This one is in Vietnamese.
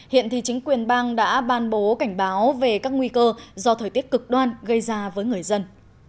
hiện thì chính quyền bang đã ban bố cảnh báo về các nguy cơ do thời tiết cực đoan gây ra với người dân